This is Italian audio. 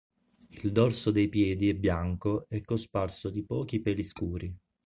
Il dorso dei piedi è bianco e cosparso di pochi peli scuri.